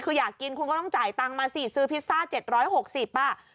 คืออยากกินคุณก็ต้องจ่ายตังค์มาสิซื้อพิซซ่า๗๖๐บาท